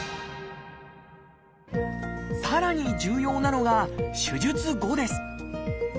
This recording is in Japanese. さらに重要なのが手術後です。